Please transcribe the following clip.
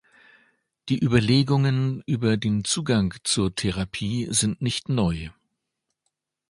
Die Überlegungen über den Zugang zur Therapie sind nicht neu.